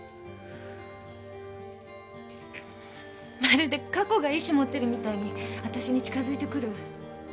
まるで過去が意思持ってるみたいにあたしに近づいてくる。